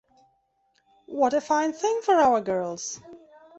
What a fine thing for our girls!